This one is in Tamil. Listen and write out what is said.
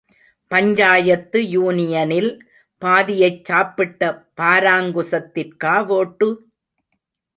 பஞ்சாயத்து யூனியனில் பாதியைச் சாப்பிட்ட பாராங்குசத்திற்கா வோட்டு?